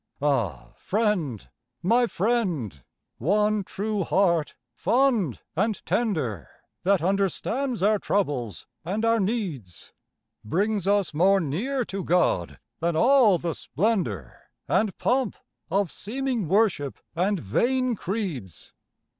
Ah, friend, my friend! one true heart, fond and tender, That understands our troubles and our needs, Brings us more near to God than all the splendour And pomp of seeming worship and vain creeds.